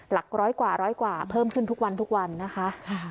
หลักร้อยกว่าร้อยกว่าเพิ่มขึ้นทุกวันทุกวันนะคะ